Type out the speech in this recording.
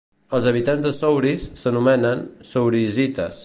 Els habitants de Souris s'anomenen "sourisites".